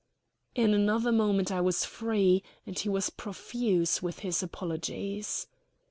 In another moment I was free, and he was profuse with his apologies.